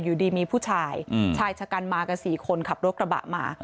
อยู่ดีมีผู้ชายชายชะกันมากัน๔คนขับรถกระบะมา